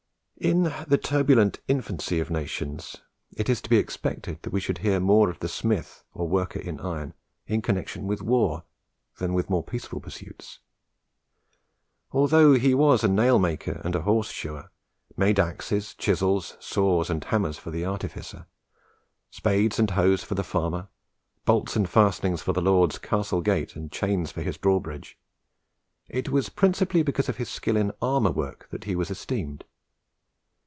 In the turbulent infancy of nations it is to be expected that we should hear more of the Smith, or worker in iron, in connexion with war, than with more peaceful pursuits. Although he was a nail maker and a horse shoer made axes, chisels, saws, and hammers for the artificer spades and hoes for the farmer bolts and fastenings for the lord's castle gates, and chains for his draw bridge it was principally because of his skill in armour work that he was esteemed.